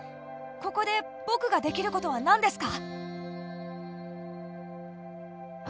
ここで僕ができることは何ですか？